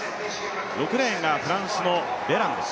６レーンがフランスのベランです。